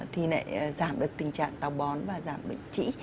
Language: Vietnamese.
thì lại giảm được tình trạng tàu bón và giảm bệnh trĩ